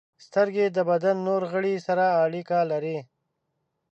• سترګې د بدن نور غړي سره اړیکه لري.